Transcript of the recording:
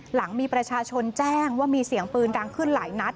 หลังมีประชาชนแจ้งว่ามีเสียงปืนดังขึ้นหลายนัด